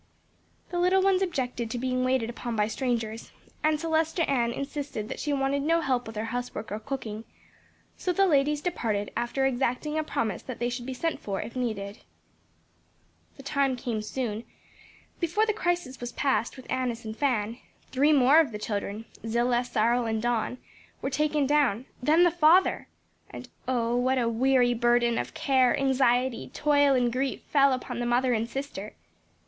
The little ones objected to being waited upon by strangers, and Celestia Ann insisted that she wanted no help with her housework or cooking; so the ladies departed after exacting a promise that they should be sent for if needed. That time came soon; before the crisis was passed with Annis and Fan, three more of the children, Zillah, Cyril, and Don, were taken down; then the father; and oh, what a weary burden of care, anxiety, toil and grief fell upon the mother and sister!